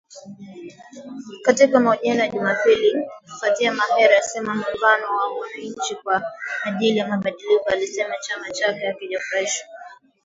Katika mahojiano ya Jumapili, Fadzayi Mahere, msemaji wa muungano wa wananchi kwa ajili ya mabadiliko, alisema chama chake hakijafurahishwa.